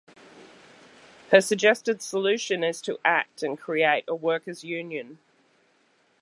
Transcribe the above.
Her suggested solution is to act and create a Workers' Union.